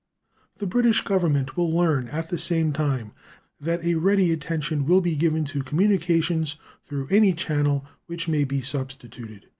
The British Government will learn at the same time that a ready attention will be given to communications through any channel which may be substituted.